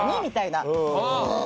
みたいな。